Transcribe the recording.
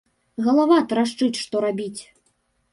Галава трашчыць, што рабіць!